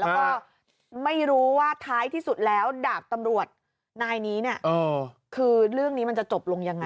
แล้วก็ไม่รู้ว่าท้ายที่สุดแล้วดาบตำรวจนายนี้เนี่ยคือเรื่องนี้มันจะจบลงยังไง